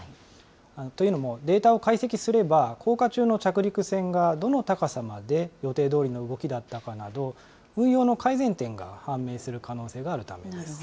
というのも、データを解析すれば、降下中の着陸船がどの高さまで予定どおりの動きだったかなど、運用の改善点が判明する可能性があるためです。